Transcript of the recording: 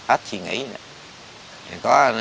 ít suy nghĩ nữa